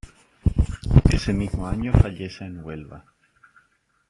Este mismo año fallece en Huelva.